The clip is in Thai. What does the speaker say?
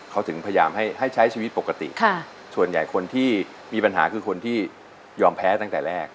เขาถึงพยายามให้ใช้ชีวิตปกติส่วนใหญ่คนที่มีปัญหาคือคนที่ยอมแพ้ตั้งแต่แรก